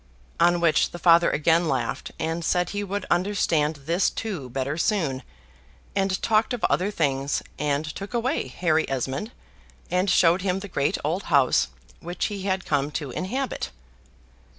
On which the Father again laughed, and said he would understand this too better soon, and talked of other things, and took away Harry Esmond, and showed him the great old house which he had come to inhabit.